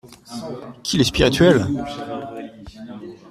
Qu’il est spirituel !